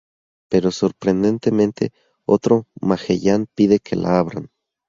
Pero sorprendentemente, otro Magellan pide que la abran.